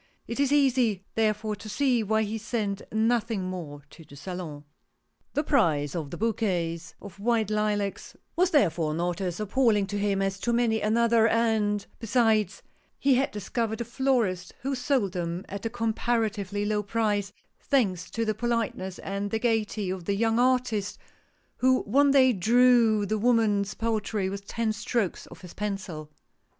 It is easy, therefore, to see why he sent nothing more to the Salon. The price of the bouquets of white lilacs was thei e fore not as appalling to him as to many another ; and, besides, he had discovered a florist who sold them at a 120 THE PAINTER. comparatively low price, thanks to the politeness and the gayety of the young artist, who one day drew the woman's portrait with ten strokes of his pencil.